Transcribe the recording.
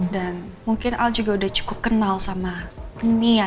dan mungkin al juga udah cukup kenal sama nia ya